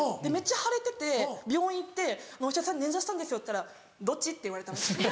でめっちゃ腫れてて病院行ってお医者さんに「捻挫したんですよ」っつったら「どっち？」って言われたんです。